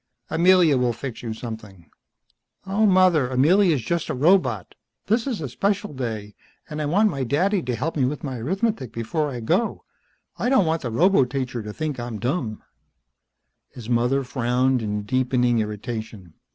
"Amelia will fix you something." "Aw, mother. Amelia's just a robot. This is a special day. And I want my daddy to help me with my arithmetic before I go. I don't want the roboteacher to think I'm dumb." His mother frowned in deepening irritation.